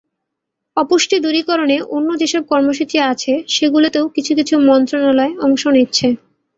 অপুষ্টি দূরীকরণে অন্য যেসব কর্মসূচি আছে সেগুলোতেও কিছু কিছু মন্ত্রণালয় অংশ নিচ্ছে।